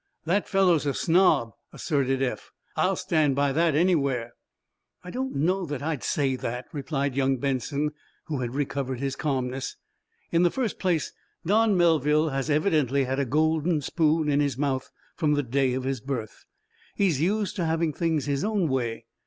"That fellow's a snob," asserted Eph. "I'll stand by that anywhere." "I don't know that I'd say that," replied young Benson, who had recovered his calmness. "In the first place, Don Melville has evidently had a golden spoon in his mouth from the day of his birth. He's used to having things his own way.